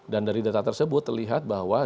dan dari data tersebut terlihat bahwa